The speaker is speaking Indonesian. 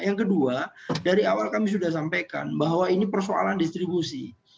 yang kedua dari awal kami sudah sampaikan bahwa ini persoalan distribusi